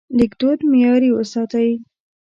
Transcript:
لیکدود معیاري وساتئ.